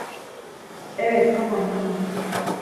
Evet, tamam, tamam.